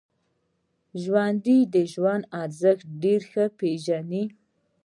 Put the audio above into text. ژوندي د ژوند ارزښت ډېر ښه پېژني